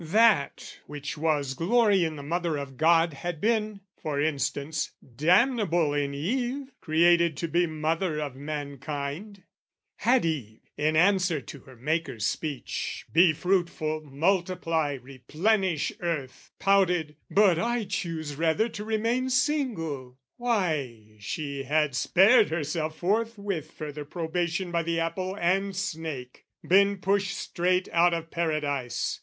"That which was glory in the Mother of God "Had been, for instance, damnable in Eve "Created to be mother of mankind. "Had Eve, in answer to her Maker's speech "'Be fruitful, multiply, replenish earth' "Pouted 'But I choose rather to remain "'Single ' why, she had spared herself forthwith "Further probation by the apple and snake, "Been pushed straight out of Paradise!